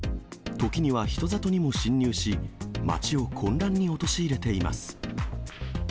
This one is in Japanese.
時には人里にも侵入し、町を混乱に陥れています。